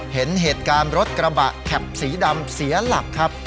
เห็นเหตุการณ์รถกระบะแคปสีดำเสียหลักครับ